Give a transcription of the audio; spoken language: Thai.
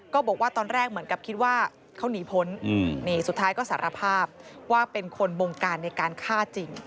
บอกว่าตอนแรกเหมือนกับคิดว่าเขาหนีพ้นนี่สุดท้ายก็สารภาพว่าเป็นคนบงการในการฆ่าจริง